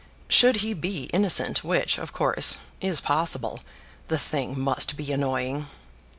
Should he be innocent, which, of course, is possible, the thing must be annoying.